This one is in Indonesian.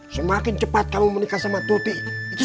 semakin cepat kamu menikah sama tuti itu semakin baik